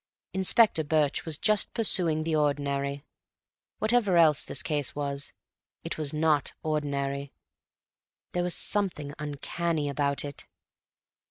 Inspector Birch was just pursuing the ordinary. Whatever else this case was, it was not ordinary. There was something uncanny about it.